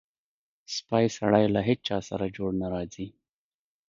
سپی سړی له هېچاسره جوړ نه راځي.